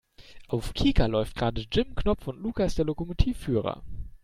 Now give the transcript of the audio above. Auf Kika läuft gerade Jim Knopf und Lukas der Lokomotivführer.